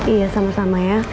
iya sama sama ya